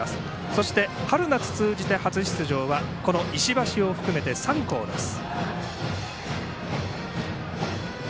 そして、春夏通じて初出場はこの石橋を含めて３校です。